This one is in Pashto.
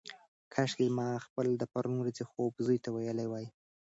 کاشکي ما خپل د پرون ورځې خوب زوی ته ویلی وای.